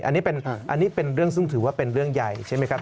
อันนี้เป็นเรื่องซึ่งถือว่าเป็นเรื่องใหญ่ใช่ไหมครับ